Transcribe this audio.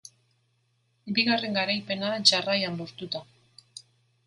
Bigarren garaipena jarraian lortuta.